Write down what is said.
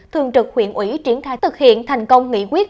thường trực huyện ủy triển khai thực hiện thành công nghị quyết